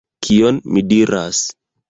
Kion mi diras?